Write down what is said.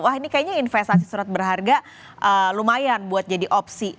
wah ini kayaknya investasi surat berharga lumayan buat jadi opsi